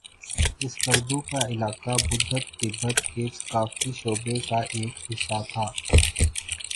اسکردو کا علاقہ بدھت تبت کے ثقافتی شعبے کا ایک حصہ تھا